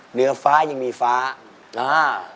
เหนือฟ้ายังมีฟ้าอ่า